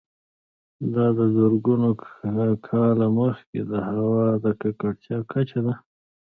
دا د زرګونه کاله مخکې د هوا د ککړتیا کچه ده